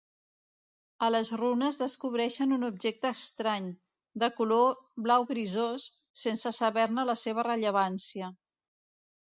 A les runes descobreixen un objecte estrany, de color blau grisós, sense saber-ne la seva rellevància.